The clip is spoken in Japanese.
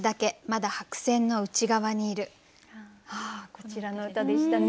こちらの歌でしたね。